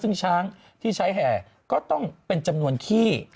ซึ่งช้างที่ใช้แห่ก็ต้องเป็นจำนวนขี้